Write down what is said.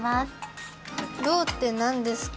ろうってなんですか？